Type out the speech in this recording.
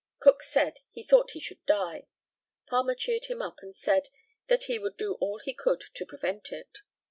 Cook said, he thought he should die. Palmer cheered him up, and said, that he would do all he could to prevent it.